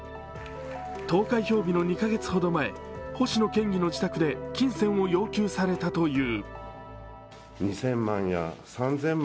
投開票日の２カ月ほど前星野県議の自宅で金銭を要求されたという。